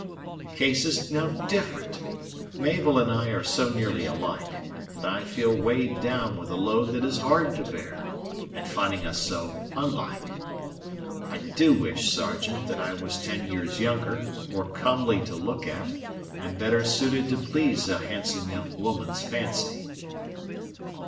The case is now different. Mabel and I are so nearly alike, that I feel weighed down with a load that is hard to bear, at finding us so unlike. I do wish, Sergeant, that I was ten years younger, more comely to look at, and better suited to please a handsome young woman's fancy."